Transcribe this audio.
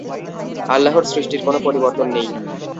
আল্লাহর সৃষ্টির কোন পরিবর্তন নেই।